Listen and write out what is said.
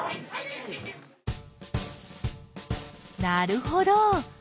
なるほど。